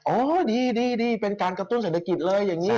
ดีเป็นการกระตุ้นเศรษฐกิจเลยอย่างนี้